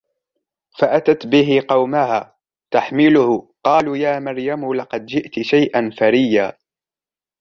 فأتت به قومها تحمله قالوا يا مريم لقد جئت شيئا فريا